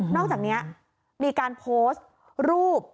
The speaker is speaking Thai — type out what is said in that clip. อกจากนี้มีการโพสต์รูป